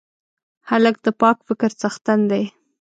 هلک د پاک فکر څښتن دی.